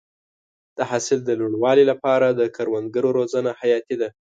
د حاصل د لوړوالي لپاره د کروندګرو روزنه حیاتي ده.